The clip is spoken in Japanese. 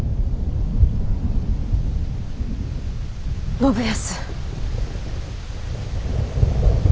信康。